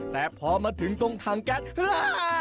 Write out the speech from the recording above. แต่พอมาถึงตรงทางแก๊สฮื้อฮ่า